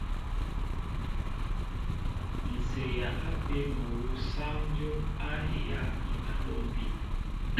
Ǹ seeya ápē mol awu sááŋ dyóp a heyá mi a lômpin.